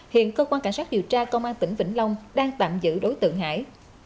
hiện cơ quan cảnh sát điều tra công an tỉnh vĩnh long đang tạm giữ đối tượng hải